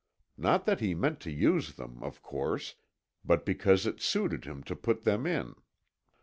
Not that he meant to use them, of course, but because it suited him to put them in.